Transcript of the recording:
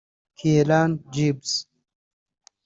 Kieran Gibbs